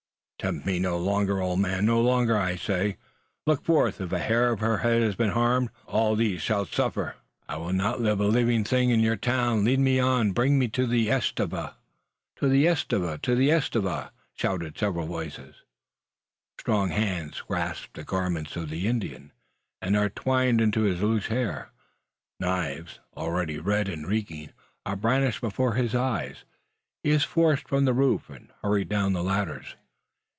"Tempt me no longer, old man! No longer, I say. Look forth! If a hair of her head has been harmed, all these shall suffer. I will not leave a living thing in your town. Lead on! Bring me to the estufa!" "To the estufa! to the estufa!" shout several voices. Strong hands grasp the garments of the Indian, and are twined into his loose hair. Knives, already red and reeking, are brandished before his eyes. He is forced from the roof, and hurried down the ladders.